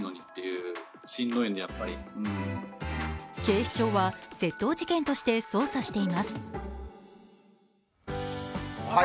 警視庁は窃盗事件として捜査しています。